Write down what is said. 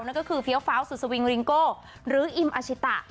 นั่นก็คือเฟี้ยวฟ้าวสุดสวิงริงโก้หรืออิมอาชิตะ